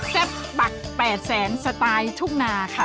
ปัก๘แสนสไตล์ทุ่งนาค่ะ